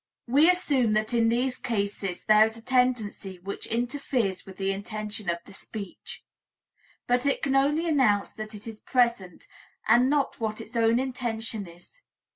We assume that in these cases there is a tendency which interferes with the intention of the speech. But it can only announce that it is present, and not what its own intention is.